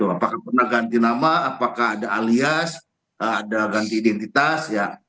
apakah pernah ganti nama apakah ada alias ada ganti identitas ya